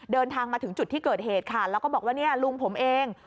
เดินทางมาถึงจุดที่เกิดเหตุค่ะแล้วก็บอกว่าเนี่ยลุงผมเอง